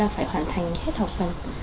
phải hoàn thành hết học phần